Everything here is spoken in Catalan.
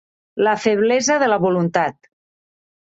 La feblesa de la voluntat.